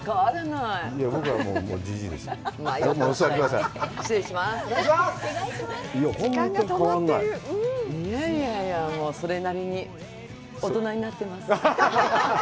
いやいやいや、もう、それなりに大人になってます！